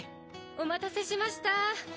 お待たせしました。